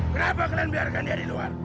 kenapa kalian biarkan dia di luar